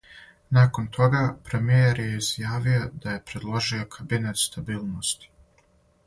Након тога, премијер је изјавио да је предложио кабинет стабилности.